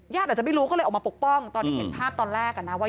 อาจจะไม่รู้ก็เลยออกมาปกป้องตอนที่เห็นภาพตอนแรกอ่ะนะว่า